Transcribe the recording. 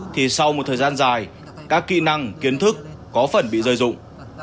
thì sau một thời gian dài các kỹ năng kiến thức có phần bị rơi rụng